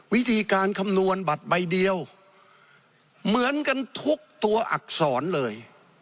วิธีการคำนวณบัตรใบเดียวเหมือนกันทุกตัวอักษรเลย